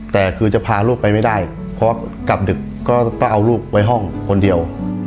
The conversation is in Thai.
แต่คือจะพาลูกไปไม่ได้เพราะกลับดึกก็ต้องเอาลูกไว้ห้องคนเดียว